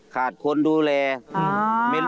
ขาดคนดูแล